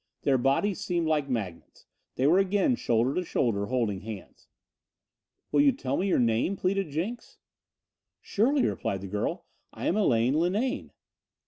Their bodies seemed like magnets. They were again shoulder to shoulder, holding hands. "Will you tell me your name?" pleaded Jenks. "Surely," replied the girl. "I am Elaine Linane."